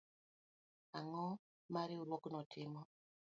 Ang'o ma Riwruogno timo